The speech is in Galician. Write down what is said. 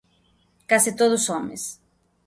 Case todos homes.